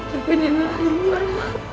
tapi nilai berumur